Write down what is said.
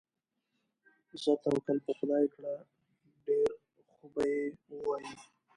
ځه توکل په خدای کړه، ډېر خوبه یې ووایې.